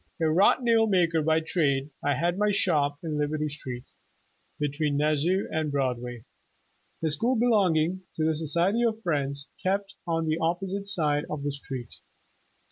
A wrought nail maker by trade, I had my shop in Liberty Street, between Nas sau and Broadway. The school belonging to the "So ciety of Friends'' kept en the opposite side of the street.